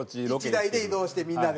１台で移動してみんなで。